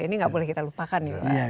ini gak boleh kita lupakan ya pak